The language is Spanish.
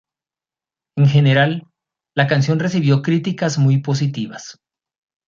En general, la canción recibió críticas muy positivas.